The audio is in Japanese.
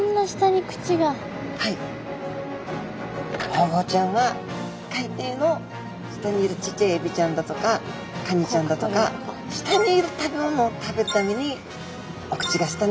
ホウボウちゃんは海底の下にいるちっちゃいエビちゃんだとかカニちゃんだとか下にいる食べ物を食べるためにお口が下についてると食べやすいわけですね。